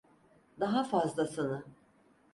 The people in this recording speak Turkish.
Daha fazlasını.